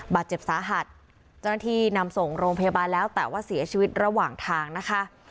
บาดเจ็บสาหัสเจ้าหน้าที่นำส่งโรงพยาบาลแล้วแต่ว่าเสียชีวิตระหว่างทางนะคะ